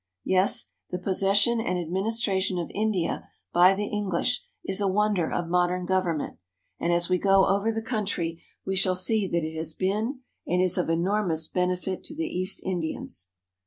Yes, the possession and administration of India by the English is a wonder of modern government, and as we go over the country we shall see that it has been and is of enormous benefit to the East Indians.